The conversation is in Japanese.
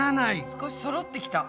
少しそろってきた。